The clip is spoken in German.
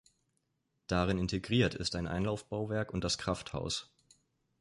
Darin integriert ist ein Einlaufbauwerk und das Krafthaus.